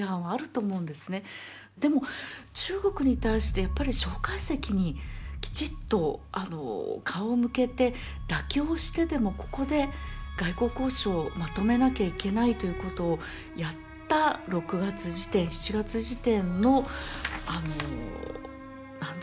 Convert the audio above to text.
でも中国に対してやっぱり蒋介石にきちっと顔を向けて妥協してでもここで外交交渉をまとめなきゃいけないということをやった６月時点７月時点のあの何でしょうね